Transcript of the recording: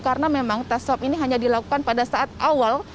karena memang tes swab ini hanya dilakukan pada saat awal